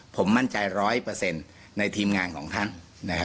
ผมมั่นใจร้อยเปอร์เซ็นต์ในทีมงานของท่าน